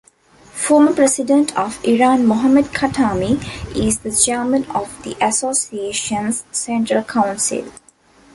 Former President of Iran Mohammad Khatami is the Chairman of the association's Central Council.